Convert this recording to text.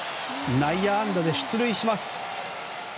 内野安打で出塁します。